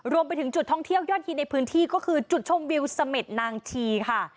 รวมไปถึงจุดท่องเที่ยวยอดฮิตในพื้นที่ก็คือจุดชมวิวเสม็ดนางชีค่ะ